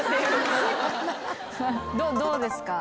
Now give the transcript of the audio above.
どうですか？